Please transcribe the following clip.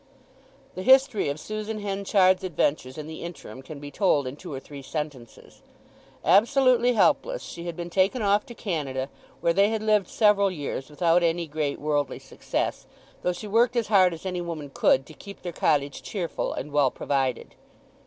The history of Susan Henchard's adventures in the interim can be told in two or three sentences. Absolutely helpless she had been taken off to Canada where they had lived several years without any great worldly success, though she worked as hard as any woman could to keep their cottage cheerful and well provided.